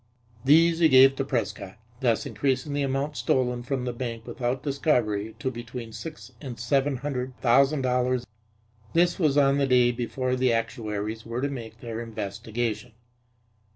These he gave to Prescott, thus increasing the amount stolen from the bank without discovery to between six and seven hundred thousand dollars. This was on the day before the actuaries were to make their investigation.